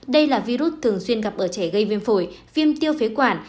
đây là virus thường xuyên gặp ở trẻ gây viêm phổi viêm tiêu phế quản